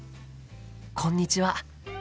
こんにちは。